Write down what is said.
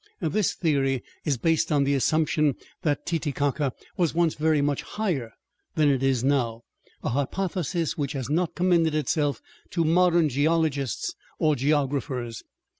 This theory is based on the assumption that Titicaca was once very much higher than it is now, a hypothesis which has not commended itself to modern geologists or geographers.